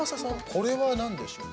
これはなんでしょうか。